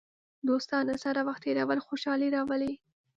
دوستانو سره وخت تېرول خوشحالي راولي.